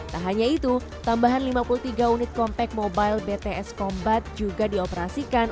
tak hanya itu tambahan lima puluh tiga unit kompak mobile bts combat juga dioperasikan